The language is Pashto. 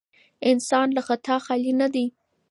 انسان له خطا خالي نه دی.